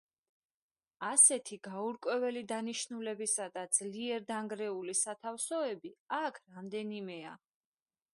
ასეთი გაურკვეველი დანიშნულებისა და ძლიერ დანგრეული სათავსოები აქ რამდენიმეა.